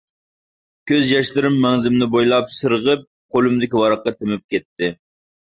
كۆز ياشلىرىم مەڭزىمنى بويلاپ سىرغىپ، قولۇمدىكى ۋاراققا تېمىپ كەتتى.